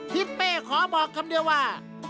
ทิศเป้ขอบอกคำเดียวว่า